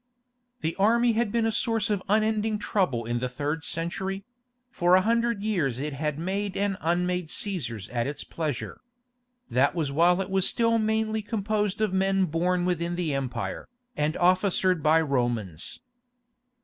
The army had been a source of unending trouble in the third century; for a hundred years it had made and unmade Cæsars at its pleasure. That was while it was still mainly composed of men born within the empire, and officered by Romans.